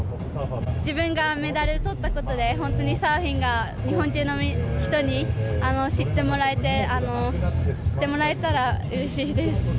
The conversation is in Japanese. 自分がメダルとったことで、本当にサーフィンが日本中の人に知ってもらえて、知ってもらえたらうれしいです。